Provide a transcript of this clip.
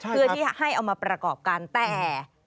เพื่อที่ให้เอามาประกอบกันแต่